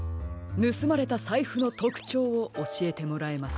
ぬすまれたさいふのとくちょうをおしえてもらえますか。